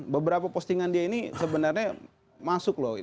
beberapa postingan dia ini sebenarnya masuk loh